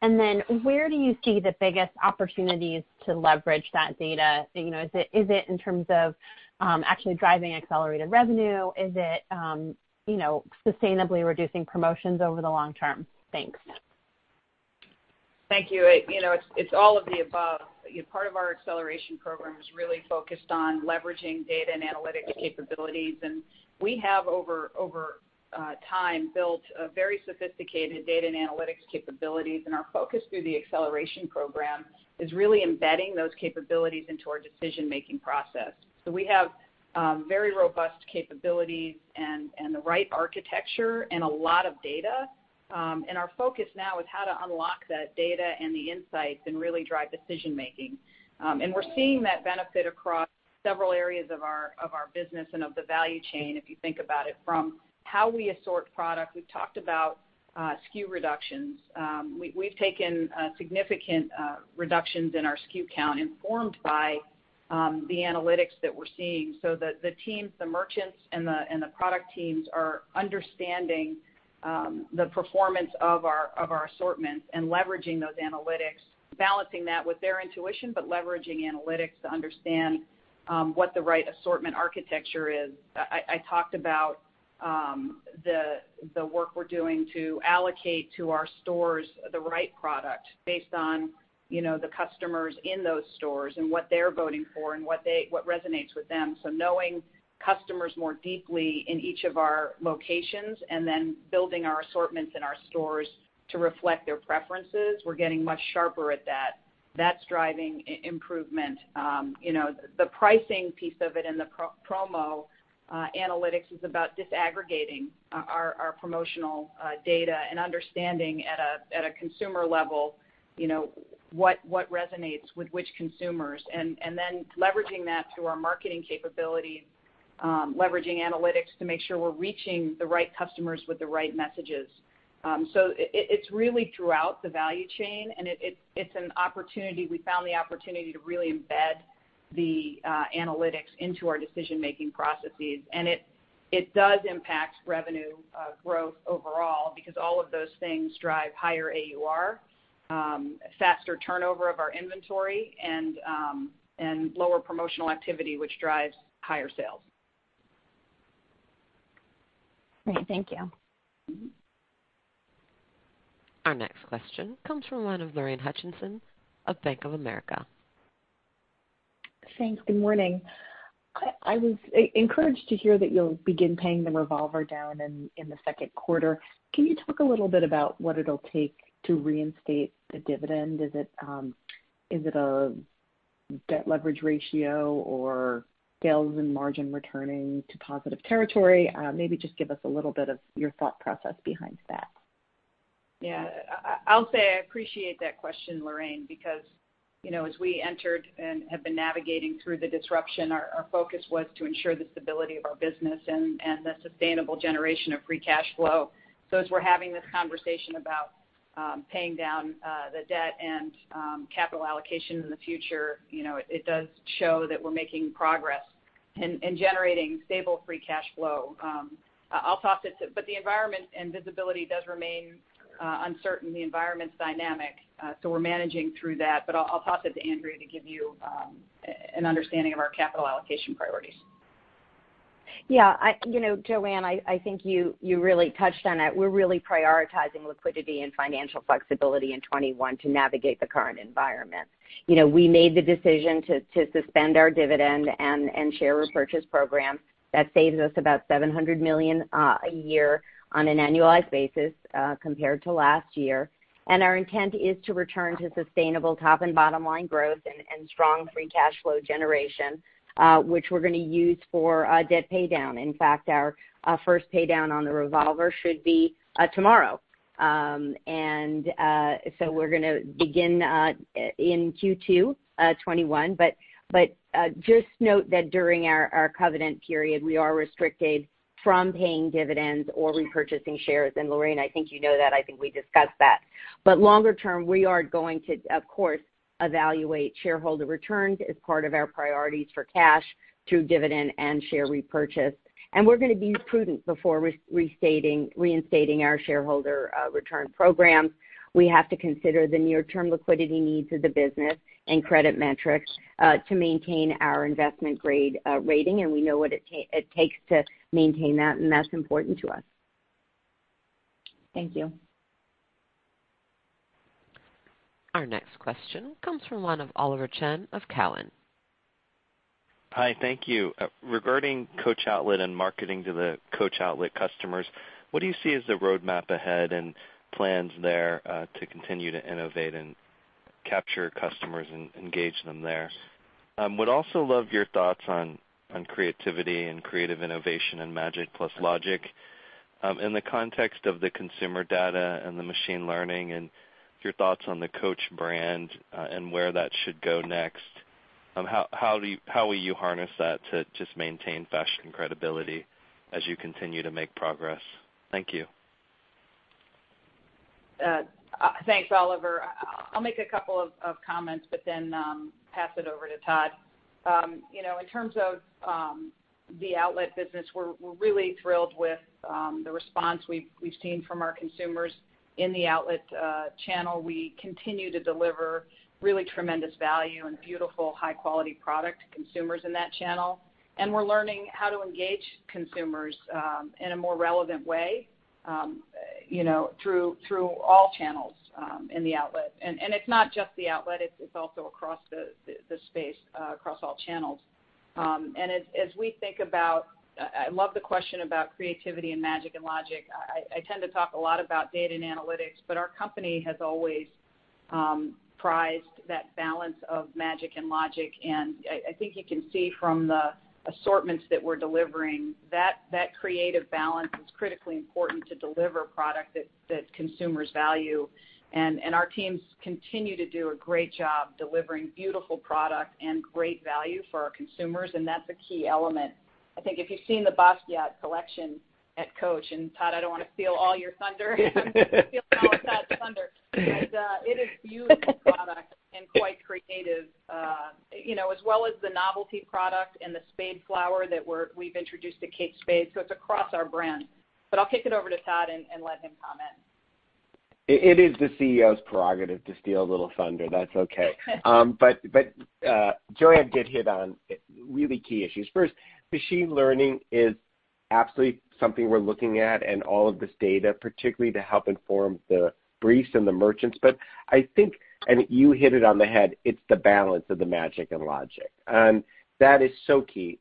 Where do you see the biggest opportunities to leverage that data? Is it in terms of actually driving accelerated revenue? Is it sustainably reducing promotions over the long term? Thanks. Thank you. It's all of the above. Part of our acceleration program is really focused on leveraging data and analytics capabilities, and we have, over time, built very sophisticated data and analytics capabilities, and our focus through the acceleration program is really embedding those capabilities into our decision-making process. We have very robust capabilities and the right architecture and a lot of data and our focus now is how to unlock that data and the insights and really drive decision-making. We're seeing that benefit across several areas of our business and of the value chain, if you think about it, from how we assort product. We've talked about SKU reductions. We've taken significant reductions in our SKU count informed by the analytics that we're seeing, so that the teams, the merchants, and the product teams are understanding the performance of our assortments and leveraging those analytics, balancing that with their intuition, but leveraging analytics to understand what the right assortment architecture is. I talked about the work we're doing to allocate to our stores the right product based on the customers in those stores and what they're voting for and what resonates with them. Knowing customers more deeply in each of our locations and then building our assortments in our stores to reflect their preferences, we're getting much sharper at that. That's driving improvement. The pricing piece of it and the promo analytics is about disaggregating our promotional data and understanding at a consumer level what resonates with which consumers, then leveraging that through our marketing capabilities, leveraging analytics to make sure we're reaching the right customers with the right messages. It's really throughout the value chain, and it's an opportunity. We found the opportunity to really embed the analytics into our decision-making processes. It does impact revenue growth overall because all of those things drive higher AUR, faster turnover of our inventory, and lower promotional activity, which drives higher sales. Great. Thank you. Our next question comes from the line of Lorraine Hutchinson of Bank of America. Thanks. Good morning. I was encouraged to hear that you'll begin paying the revolver down in the second quarter. Can you talk a little bit about what it'll take to reinstate the dividend? Is it a debt leverage ratio or sales and margin returning to positive territory? Maybe just give us a little bit of your thought process behind that. Yeah. I'll say I appreciate that question, Lorraine, because as we entered and have been navigating through the disruption, our focus was to ensure the stability of our business and the sustainable generation of free cash flow. As we're having this conversation about paying down the debt and capital allocation in the future, it does show that we're making progress in generating stable free cash flow. The environment and visibility does remain uncertain. The environment's dynamic, so we're managing through that. I'll toss it to Andrea to give you an understanding of our capital allocation priorities. Joanne, I think you really touched on it. We're really prioritizing liquidity and financial flexibility in FY 2021 to navigate the current environment. We made the decision to suspend our dividend and share repurchase program. That saves us about $700 million a year on an annualized basis compared to last year. Our intent is to return to sustainable top and bottom-line growth and strong free cash flow generation, which we're going to use for debt paydown. In fact, our first paydown on the revolver should be tomorrow. We're going to begin in Q2 FY 2021. Just note that during our covenant period, we are restricted from paying dividends or repurchasing shares. Lorraine, I think you know that. I think we discussed that. Longer term, we are going to, of course, evaluate shareholder returns as part of our priorities for cash through dividend and share repurchase. We're going to be prudent before reinstating our shareholder return programs. We have to consider the near-term liquidity needs of the business and credit metrics to maintain our investment-grade rating, and we know what it takes to maintain that, and that's important to us. Thank you. Our next question comes from the line of Oliver Chen of Cowen. Hi, thank you. Regarding Coach outlet and marketing to the Coach outlet customers, what do you see as the roadmap ahead and plans there to continue to innovate and capture customers and engage them there? Would also love your thoughts on creativity and creative innovation and magic plus logic in the context of the consumer data and the machine learning, and your thoughts on the Coach brand and where that should go next. How will you harness that to just maintain fashion credibility as you continue to make progress? Thank you. Thanks, Oliver. I'll make a couple of comments, but then pass it over to Todd. In terms of the outlet business, we're really thrilled with the response we've seen from our consumers in the outlet channel. We continue to deliver really tremendous value and beautiful, high-quality product to consumers in that channel. We're learning how to engage consumers in a more relevant way through all channels in the outlet. It's not just the outlet, it's also across the space, across all channels. As we think about, I love the question about creativity and magic and logic. I tend to talk a lot about data and analytics, but our company has always prized that balance of magic and logic, and I think you can see from the assortments that we're delivering, that creative balance is critically important to deliver product that consumers value. Our teams continue to do a great job delivering beautiful product and great value for our consumers, and that's a key element. I think if you've seen the Basquiat collection at Coach. Todd, I don't want to steal all your thunder. Stealing all of Todd's thunder. It is beautiful product and quite creative, as well as the novelty product and the Spade Flower that we've introduced at Kate Spade. It's across our brand. I'll kick it over to Todd and let him comment. It is the CEO's prerogative to steal a little thunder. That's okay. Joanne did hit on really key issues. First, machine learning is absolutely something we're looking at, and all of this data, particularly to help inform the briefs and the merchants. I think, and you hit it on the head, it's the balance of the magic and logic. That is so key.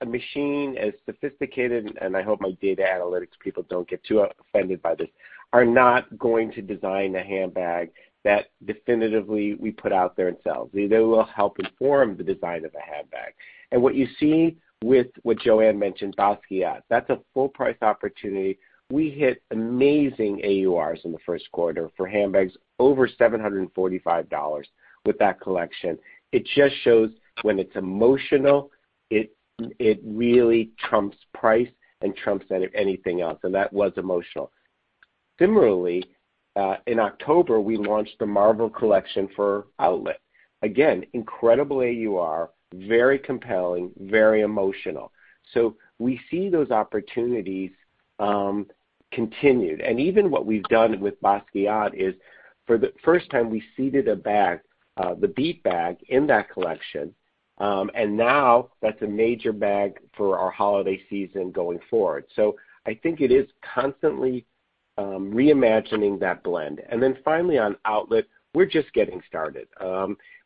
A machine, as sophisticated, and I hope my data analytics people don't get too offended by this, are not going to design a handbag that definitively we put out there and sell. They will help inform the design of a handbag. What you see with what Joanne mentioned, Basquiat. That's a full-price opportunity. We hit amazing AURs in the first quarter for handbags over $745 with that collection. It just shows when it's emotional, it really trumps price and trumps anything else. That was emotional. Similarly, in October, we launched the Marvel collection for outlet. Incredible AUR, very compelling, very emotional. We see those opportunities continued. Even what we've done with Basquiat is, for the first time, we seeded a bag, the Beat bag, in that collection. Now that's a major bag for our holiday season going forward. I think it is constantly reimagining that blend. Finally on outlet, we're just getting started.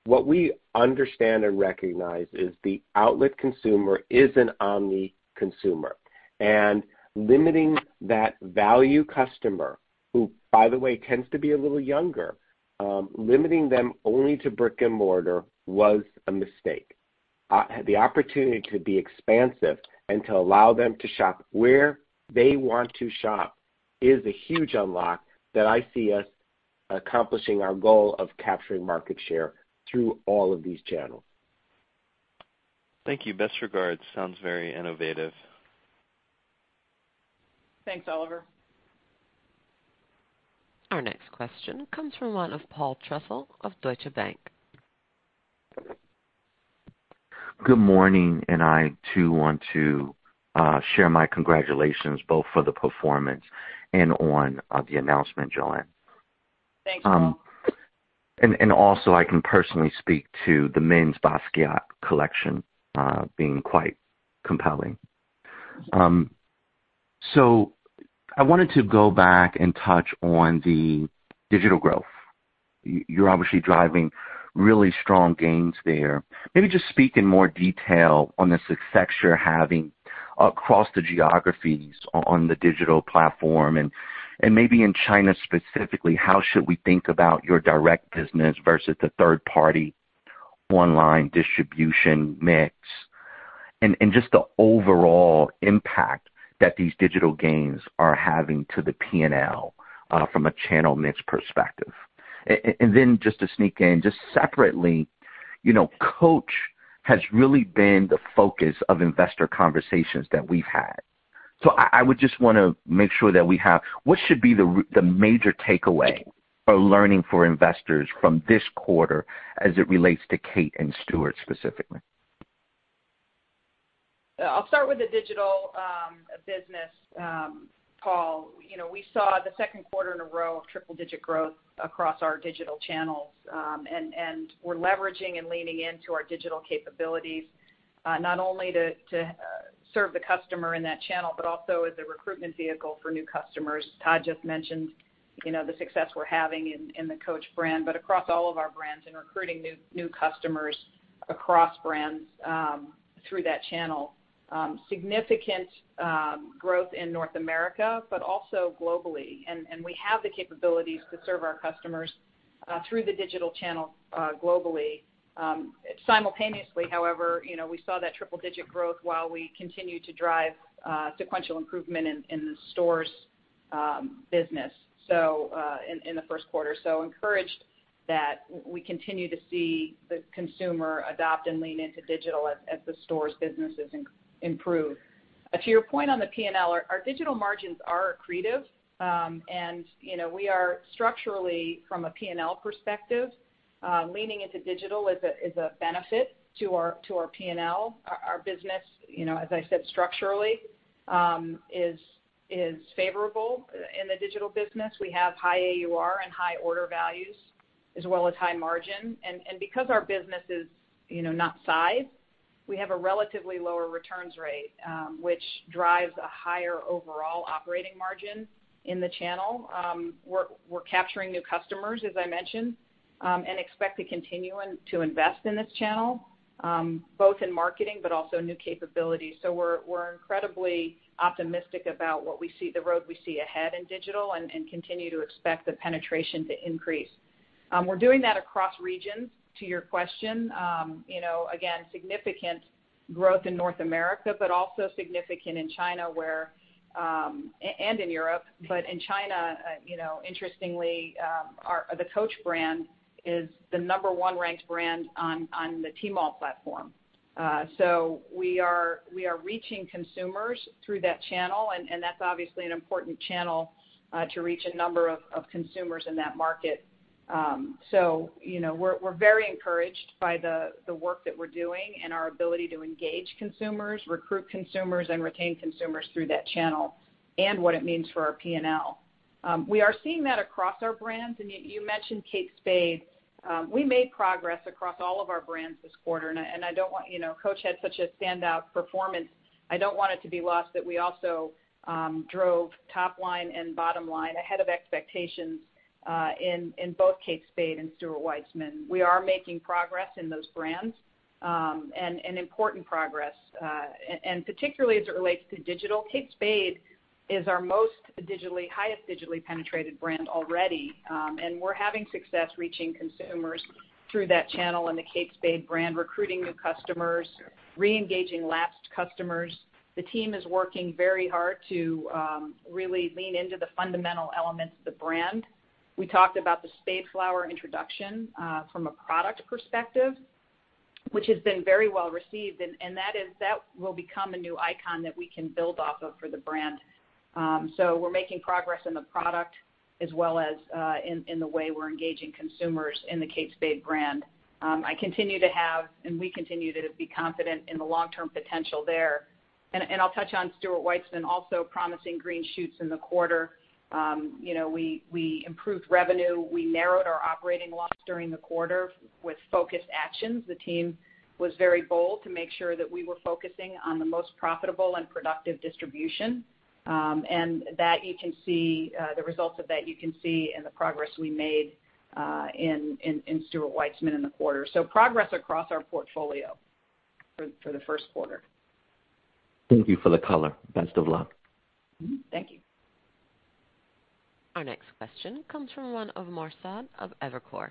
What we understand and recognize is the outlet consumer is an omni consumer. Limiting that value customer, who by the way, tends to be a little younger, limiting them only to brick and mortar was a mistake. The opportunity to be expansive and to allow them to shop where they want to shop is a huge unlock that I see us accomplishing our goal of capturing market share through all of these channels. Thank you. Best regards. Sounds very innovative. Thanks, Oliver. Our next question comes from one of Paul Trussell of Deutsche Bank. Good morning, I too want to share my congratulations both for the performance and on the announcement, Joanne. Thanks, Paul. Also, I can personally speak to the men's Basquiat collection being quite compelling. I wanted to go back and touch on the digital growth. You're obviously driving really strong gains there. Maybe just speak in more detail on the success you're having across the geographies on the digital platform, and maybe in China specifically, how should we think about your direct business versus the third-party online distribution mix, and just the overall impact that these digital gains are having to the P&L from a channel mix perspective. Then just to sneak in, just separately, Coach has really been the focus of investor conversations that we've had. I would just want to make sure that What should be the major takeaway or learning for investors from this quarter as it relates to Kate and Stuart specifically? I'll start with the digital business, Paul. We saw the second quarter in a row of triple-digit growth across our digital channels. We're leveraging and leaning into our digital capabilities, not only to serve the customer in that channel, but also as a recruitment vehicle for new customers. Todd just mentioned the success we're having in the Coach, but across all of our brands and recruiting new customers across brands through that channel. Significant growth in North America, but also globally. We have the capabilities to serve our customers through the digital channel globally. Simultaneously, however, we saw that triple-digit growth while we continue to drive sequential improvement in the stores business in the first quarter. Encouraged that we continue to see the consumer adopt and lean into digital as the stores businesses improve. To your point on the P&L, our digital margins are accretive. We are structurally, from a P&L perspective, leaning into digital as a benefit to our P&L. Our business, as I said, structurally is favorable in the digital business. We have high AUR and high order values as well as high margin. Because our business is not sized, we have a relatively lower returns rate, which drives a higher overall operating margin in the channel. We're capturing new customers, as I mentioned, and expect to continue to invest in this channel, both in marketing, but also new capabilities. We're incredibly optimistic about the road we see ahead in digital and continue to expect the penetration to increase. We're doing that across regions, to your question. Again, significant growth in North America, but also significant in China and in Europe. In China, interestingly, the Coach brand is the number one ranked brand on the Tmall platform. We are reaching consumers through that channel, and that's obviously an important channel to reach a number of consumers in that market. We're very encouraged by the work that we're doing and our ability to engage consumers, recruit consumers, and retain consumers through that channel, and what it means for our P&L. We are seeing that across our brands, and you mentioned Kate Spade. We made progress across all of our brands this quarter, and Coach had such a standout performance, I don't want it to be lost that we also drove top line and bottom line ahead of expectations in both Kate Spade and Stuart Weitzman. We are making progress in those brands, and important progress, and particularly as it relates to digital. Kate Spade is our highest digitally penetrated brand already. We're having success reaching consumers through that channel in the Kate Spade brand, recruiting new customers, reengaging lapsed customers. The team is working very hard to really lean into the fundamental elements of the brand. We talked about the Spade Flower introduction from a product perspective, which has been very well received, and that will become a new icon that we can build off of for the brand. We're making progress in the product as well as in the way we're engaging consumers in the Kate Spade brand. We continue to be confident in the long-term potential there. I'll touch on Stuart Weitzman also promising green shoots in the quarter. We improved revenue. We narrowed our operating loss during the quarter with focused actions. The team was very bold to make sure that we were focusing on the most profitable and productive distribution. The results of that you can see in the progress we made in Stuart Weitzman in the quarter. Progress across our portfolio for the first quarter. Thank you for the color. Best of luck. Thank you. Our next question comes from one of Omar Saad of Evercore.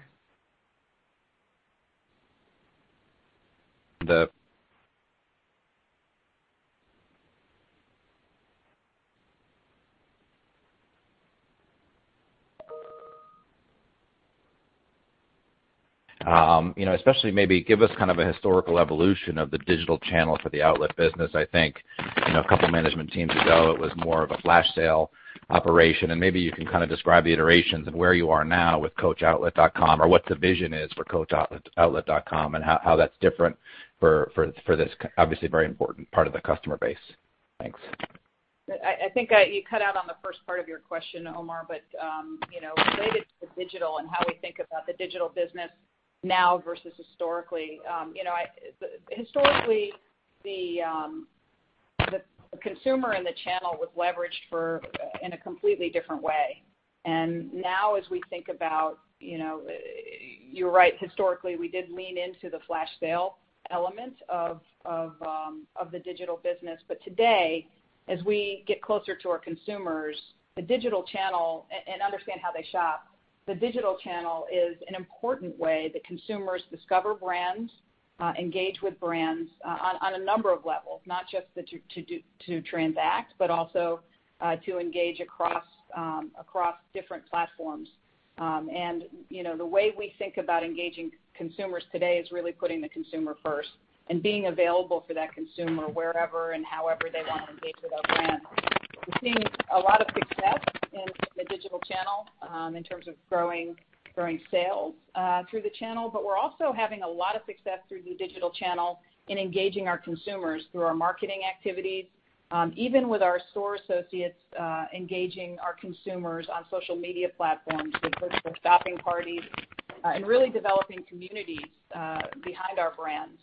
Especially maybe give us kind of a historical evolution of the digital channel for the outlet business. I think, a couple management teams ago, it was more of a flash sale operation, and maybe you can kind of describe the iterations of where you are now with coachoutlet.com or what the vision is for coachoutlet.com and how that's different for this obviously very important part of the customer base. Thanks. I think you cut out on the first part of your question, Omar. Related to the digital and how we think about the digital business now versus historically. Historically, the consumer and the channel was leveraged in a completely different way. Now as we think about, you're right, historically, we did lean into the flash sale element of the digital business. Today, as we get closer to our consumers, the digital channel, and understand how they shop, the digital channel is an important way that consumers discover brands, engage with brands on a number of levels, not just to transact, but also to engage across different platforms. The way we think about engaging consumers today is really putting the consumer first and being available for that consumer wherever and however they want to engage with our brand. We're seeing a lot of success in the digital channel in terms of growing sales through the channel. We're also having a lot of success through the digital channel in engaging our consumers through our marketing activities. Even with our store associates engaging our consumers on social media platforms with virtual shopping parties and really developing communities behind our brands.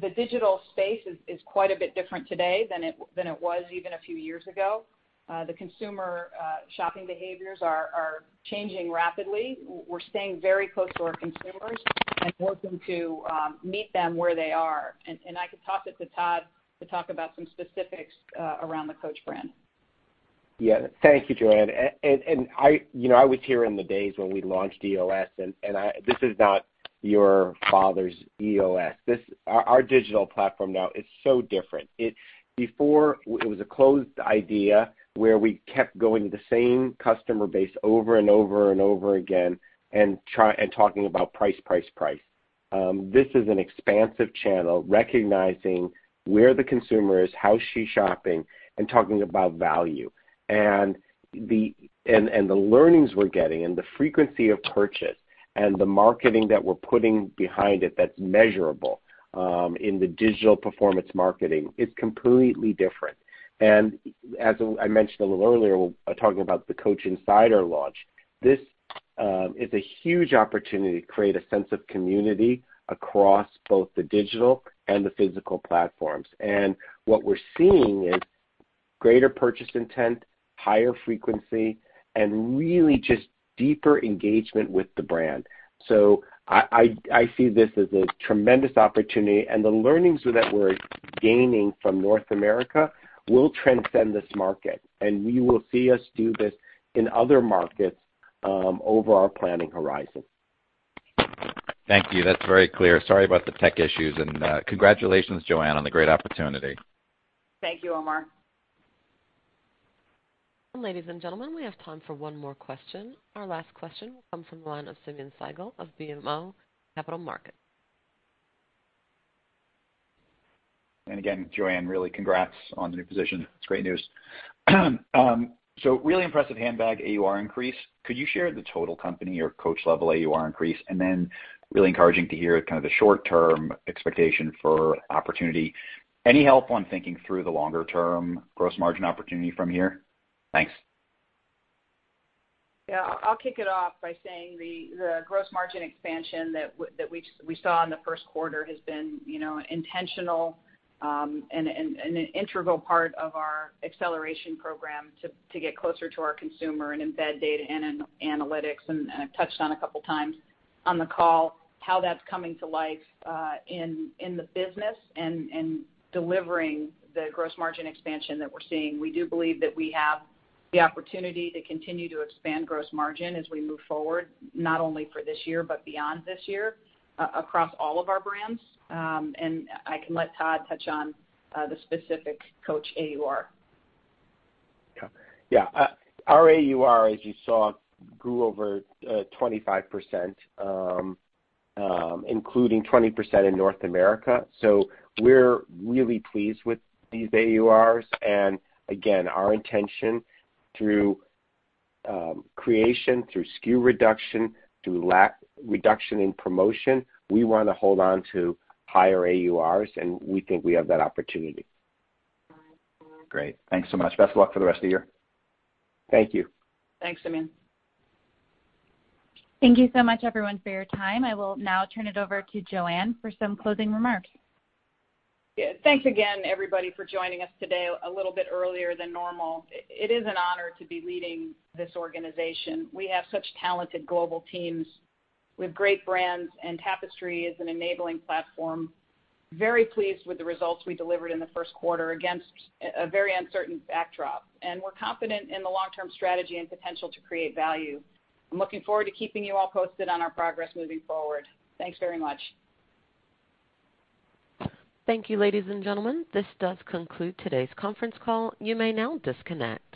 The digital space is quite a bit different today than it was even a few years ago. The consumer shopping behaviors are changing rapidly. We're staying very close to our consumers and working to meet them where they are. I could toss it to Todd to talk about some specifics around the Coach brand. Yeah. Thank you, Joanne. I was here in the days when we launched EOS, and this is not your father's EOS. Our digital platform now is so different. Before, it was a closed idea where we kept going to the same customer base over and over and over again and talking about price. This is an expansive channel recognizing where the consumer is, how she's shopping, and talking about value. The learnings we're getting and the frequency of purchase and the marketing that we're putting behind it that's measurable in the digital performance marketing is completely different. As I mentioned a little earlier, talking about the Coach Insider launch, this is a huge opportunity to create a sense of community across both the digital and the physical platforms. What we're seeing is greater purchase intent, higher frequency, and really just deeper engagement with the brand. I see this as a tremendous opportunity, and the learnings that we're gaining from North America will transcend this market, and you will see us do this in other markets over our planning horizon. Thank you. That's very clear. Sorry about the tech issues, and congratulations, Joanne, on the great opportunity. Thank you, Omar. Ladies and gentlemen, we have time for one more question. Our last question will come from the line of Simeon Siegel of BMO Capital Markets. Again, Joanne, really congrats on the new position. It's great news. Really impressive handbag AUR increase. Could you share the total company or Coach-level AUR increase? Really encouraging to hear kind of the short-term expectation for opportunity. Any help on thinking through the longer-term gross margin opportunity from here? Thanks. I'll kick it off by saying the gross margin expansion that we saw in the first quarter has been intentional, and an integral part of our acceleration program to get closer to our consumer and embed data and analytics. I've touched on a couple of times on the call, how that's coming to life in the business and delivering the gross margin expansion that we're seeing. We do believe that we have the opportunity to continue to expand gross margin as we move forward, not only for this year, but beyond this year, across all of our brands. I can let Todd touch on the specific Coach AUR. Our AUR, as you saw, grew over 25%, including 20% in North America. We're really pleased with these AURs. Again, our intention through creation, through SKU reduction, through lack reduction in promotion, we want to hold on to higher AURs. We think we have that opportunity. Great. Thanks so much. Best of luck for the rest of the year. Thank you. Thanks, Simeon. Thank you so much, everyone, for your time. I will now turn it over to Joanne for some closing remarks. Yeah. Thanks again, everybody, for joining us today a little bit earlier than normal. It is an honor to be leading this organization. We have such talented global teams with great brands. Tapestry is an enabling platform. Very pleased with the results we delivered in the first quarter against a very uncertain backdrop. We're confident in the long-term strategy and potential to create value. I'm looking forward to keeping you all posted on our progress moving forward. Thanks very much. Thank you, ladies and gentlemen. This does conclude today's conference call. You may now disconnect.